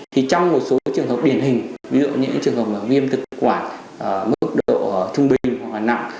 trong một số trường hợp điển hình ví dụ như những trường hợp viêm thực quản mức độ thông bình hoặc nặng